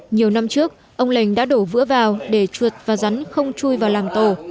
nhiều năm trước ông lệnh đã đổ vữa vào để chuột và rắn không chui vào làng tổ